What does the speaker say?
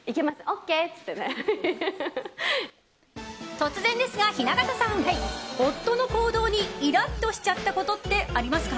突然ですが、雛形さん夫の行動にイラッとしちゃったことってありますか？